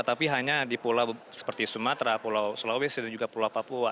tapi hanya di pulau seperti sumatera pulau sulawesi dan juga pulau papua